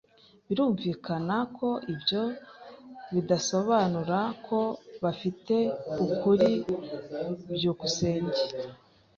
Birumvikana ko ibyo bidasobanura ko bafite ukuri. byukusenge